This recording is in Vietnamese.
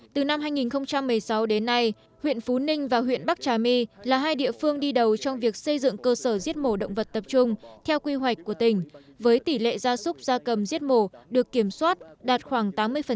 từ năm hai nghìn một mươi sáu đến nay huyện phú ninh và huyện bắc trà my là hai địa phương đi đầu trong việc xây dựng cơ sở giết mổ động vật tập trung theo quy hoạch của tỉnh với tỷ lệ gia súc gia cầm giết mổ được kiểm soát đạt khoảng tám mươi